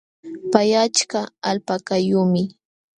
Pay achka alpakayuqmi.